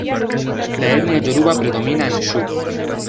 La etnia yoruba predomina en sur.